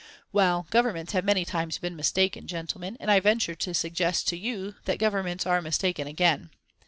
Well, Governments have many times been mistaken, gentlemen, and I venture to suggest to you that Governments are mistaken again.